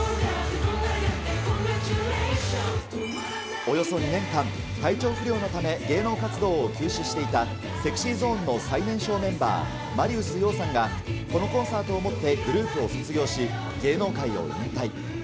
およそ２年間、体調不良のため、芸能活動を休止していたＳｅｘｙＺｏｎｅの最年少メンバー、マリウス葉さんが、このコンサートをもってグループを卒業し、芸能界を引退。